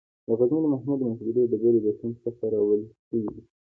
د غزني د محمود د مقبرې ډبرې د هند څخه راوړل شوې وې